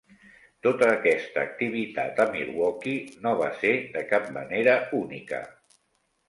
Tota aquesta activitat a Milwaukee no va ser de cap manera única.